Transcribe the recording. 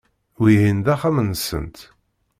Wihin d axxam-nsent.